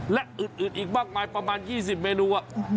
และอื่นอีกมากมายประมาณ๒๐เมนู